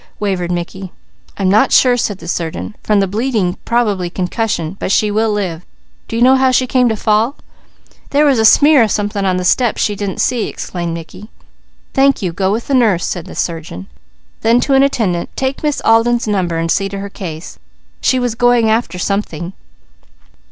wavered Mickey. "I'm not sure," said the surgeon. "From the bleeding probably concussion; but she will live. Do you know how she came to fall?" "There was a smear of something on the steps she didn't see," explained Mickey. "Thank you! Go with the nurse," said the surgeon. Then to an attendant: "Take Miss Alden's number, and see to her case. She was going after something."